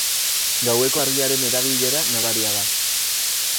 Gaueko argiaren erabilera nabaria da.